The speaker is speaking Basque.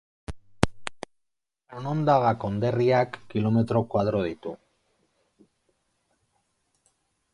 Onondaga konderriak kilometro koadro ditu.